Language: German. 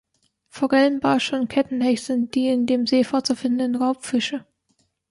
Forellenbarsche und Kettenhecht sind die in dem See vorzufindenden Raubfische.